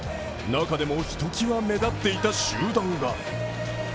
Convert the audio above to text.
中でもひときわ目立っていた集団が。